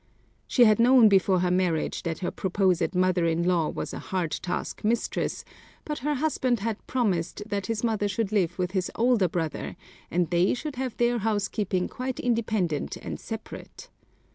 She had known before her marriage that her proposed mother in law was a hard task mistress, but her husband had promised that his mother should live with his older brother, and they should have their housekeeping quite independent and separate.